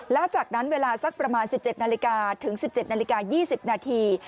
แล้วจากนั้นเวลาสักประมาณ๑๗นาฬิกาถึง๑๗นาฬิกา๒๐นาที